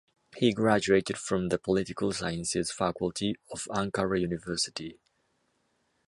He graduated from the Political Sciences Faculty of Ankara University.